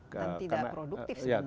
dan tidak produktif sebenarnya